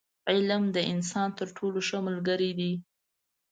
• علم، د انسان تر ټولو ښه ملګری دی.